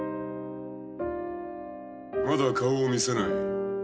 まだ顔を見せない？